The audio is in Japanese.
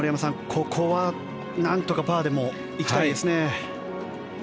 ここはなんとかパーでも行きたいですよね。